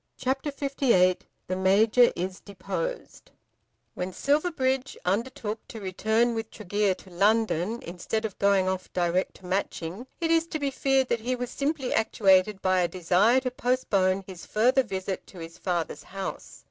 CHAPTER LVIII The Major Is Deposed When Silverbridge undertook to return with Tregear to London instead of going off direct to Matching, it is to be feared that he was simply actuated by a desire to postpone his further visit to his father's house.